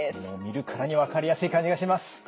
もう見るからに分かりやすい感じがします。